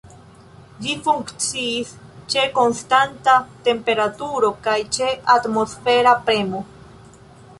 Ĝi funkciis ĉe konstanta temperaturo, kaj ĉe atmosfera premo.